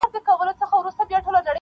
o چي پیسې لري هغه د نر بچی دی,